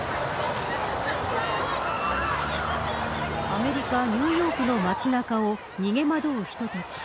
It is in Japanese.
アメリカニューヨークの街中を逃げ惑う人たち。